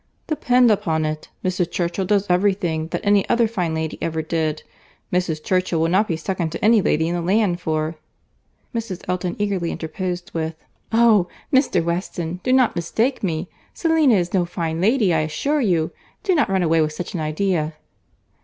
"Depend upon it, Mrs. Churchill does every thing that any other fine lady ever did. Mrs. Churchill will not be second to any lady in the land for"— Mrs. Elton eagerly interposed with, "Oh! Mr. Weston, do not mistake me. Selina is no fine lady, I assure you. Do not run away with such an idea."